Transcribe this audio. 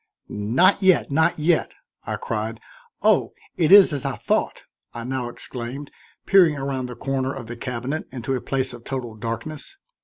"Not yet, not yet," I cried. "Oh! it is as I thought," I now exclaimed, peering around the corner of the cabinet into a place of total darkness.